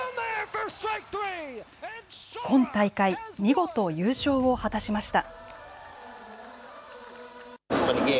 今大会、見事優勝を果たしました。